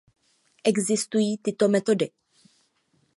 Existují tyto metody.